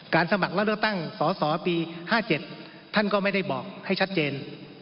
สมัครและเลือกตั้งสสปี๕๗ท่านก็ไม่ได้บอกให้ชัดเจน